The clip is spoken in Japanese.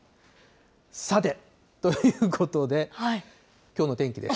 さて、ということで、きょうの天気です。